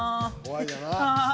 ああ！